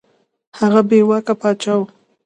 هغه بې واکه پاچا وو.